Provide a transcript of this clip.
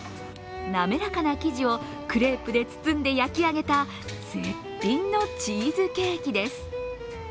滑らかな生地をクレープで包んで焼き上げた絶品のチーズケーキです。